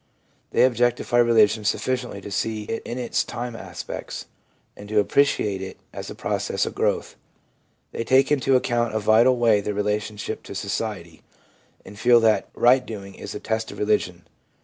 They objectify religion sufficiently to see it in its time aspects, and to ap preciate it as a process of growth. They take into account in a vital way their relationship to society, and feel that right doing is a test of religion.